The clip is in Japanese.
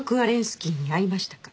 スキーに会いましたか？